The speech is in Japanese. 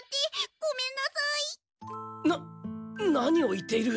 な何を言っている？